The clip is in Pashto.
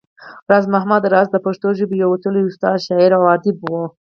راز محمد راز د پښتو ژبې يو وتلی استاد، شاعر او اديب وو